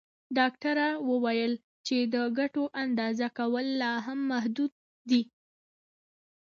ډاکټره وویل چې د ګټو اندازه کول لا هم محدود دي.